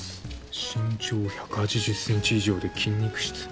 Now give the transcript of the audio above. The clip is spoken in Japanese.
身長１８０ｃｍ以上で筋肉質。